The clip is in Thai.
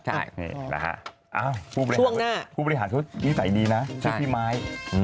ช่วงหน้าผู้บริหารนิสัยดีนะชื่อพี่ไม้